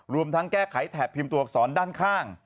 รวมทั้งแก้ไขแถบพิมพ์ตัวอักษรด้านข้าง